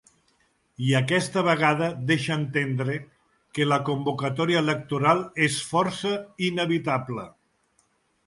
I aquesta vegada deixa entendre que la convocatòria electoral és força inevitable.